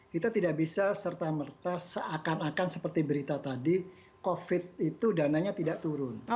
kita tidak bisa serta merta seakan akan seperti berita tadi covid itu dananya tidak turun